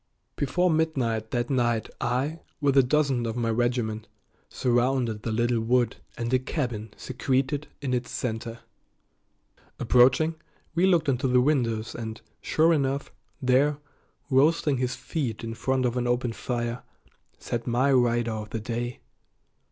Before midnight that night I, with a dozen of my regiment, surrounded the little wood and a cabin secreted in its center. Approaching, we looked into the windows, and, sure enough, there, roasting his feet in front of an open fire, sat my rider of the day.